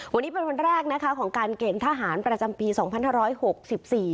วันนี้เป็นวันแรกนะคะของการเกณฑ์ทหารประจำปีสองพันห้าร้อยหกสิบสี่